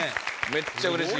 めっちゃ嬉しい。